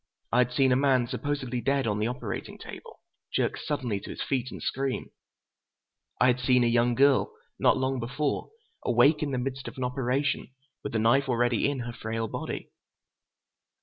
I had seen a man, supposedly dead on the operating table, jerk suddenly to his feet and scream. I had seen a young girl, not long before, awake in the midst of an operation, with the knife already in her frail body.